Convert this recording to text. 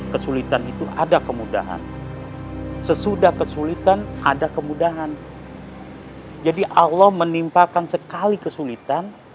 kesulitan itu ada kemudahan sesudah kesulitan ada kemudahan jadi allah menimpakan sekali kesulitan